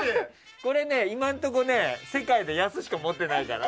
これ、今のところ世界でヤスしか持ってないから。